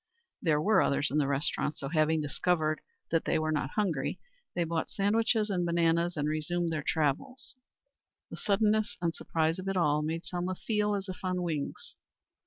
There were others in the restaurant, so having discovered that they were not hungry, they bought sandwiches and bananas, and resumed their travels. The suddenness and surprise of it all made Selma feel as if on wings.